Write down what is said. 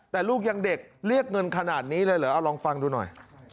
แต่ลูกยังเด็กเรียกเงินขนาดนี้เลยเหรอเอาลองฟังดูหน่อย